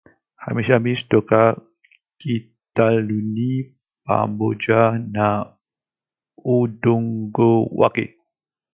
Hamisha miche toka kitaluni pamoja na udongo wake